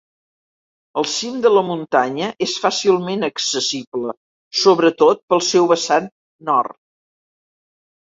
El cim de la muntanya és fàcilment accessible, sobretot pel seu vessant nord.